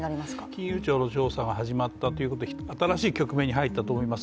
金融庁の調査が始まったということで新しい局面に入ったと思います。